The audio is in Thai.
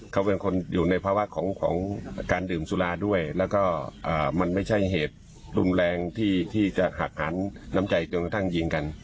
เขาเป็นคนอยู่ในภาวะของการดื่มสุราด้วยแล้วก็มันไม่ใช่เหตุรุนแรงที่จะหักหันน้ำใจจนกระทั่งยิงกัน